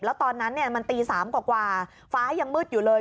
แล้วตอนนั้นมันตี๓กว่าฟ้ายังมืดอยู่เลย